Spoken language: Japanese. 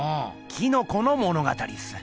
「キノコ」の物語っす。